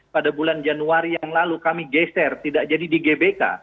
pada bulan januari yang lalu kami geser tidak jadi di gbk